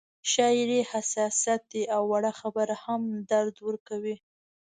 شاعري حساسیت دی او وړه خبره هم درد ورکوي